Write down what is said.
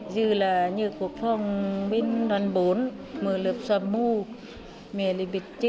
dù là như của phòng bên đoàn bốn mở lớp xóa mù mẹ lại biết trừ